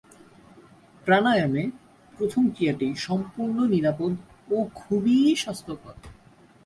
প্রাণায়ামে প্রথম ক্রিয়াটি সম্পূর্ণ নিরাপদ ও খুবই স্বাস্থ্যকর।